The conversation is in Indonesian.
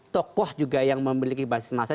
tokoh juga yang memiliki basis masa